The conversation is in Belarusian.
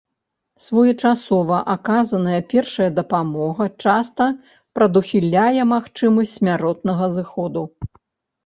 Своечасова аказаная першая дапамога часта прадухіляе магчымасць смяротнага зыходу.